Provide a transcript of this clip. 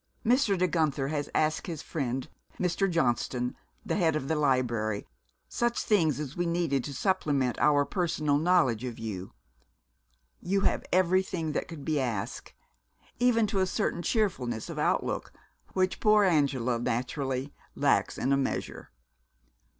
Mr. De Guenther has asked his friend Mr. Johnston, the head of the library, such things as we needed to supplement our personal knowledge of you. You have everything that could be asked, even to a certain cheerfulness of outlook which poor Angela, naturally, lacks in a measure."